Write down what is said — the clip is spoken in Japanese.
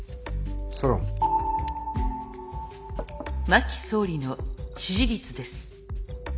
真木総理の支持率です。